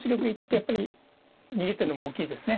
やっぱり逃げてるのも大きいですね。